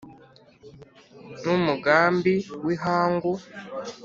N‘umugambi w’ihangu